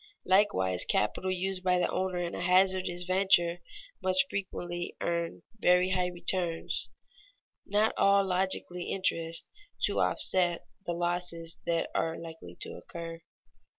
Likewise capital used by the owner in a hazardous venture must frequently earn very high returns (not all logically interest) to offset the losses that are likely to occur.